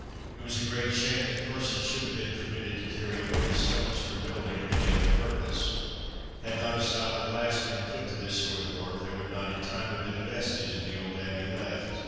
It was a great shame that persons should have been permitted to carry away the stones for building or any other purpose. Had not a stop at last been put to this sort of work there would not in time have been a vestige of the old Abbey left.